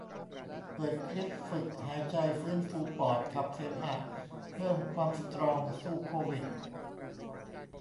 เปิดคลิปฝึกหายใจฟื้นฟูปอดขับเสมหะ เพิ่มความสตรองสู้โควิด